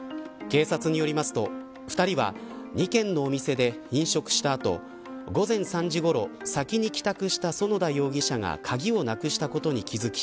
警察によりますと２人は２軒のお店で飲食した後午前３時ごろ先に帰宅した其田容疑者が鍵をなくしたことに気付き